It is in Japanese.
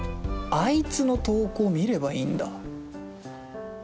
あいつの投稿見ればいいんだ。